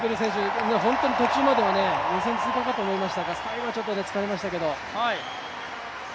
フッレル選手、途中までは予選通過かと思いましたが最後はちょっと疲れましたけど。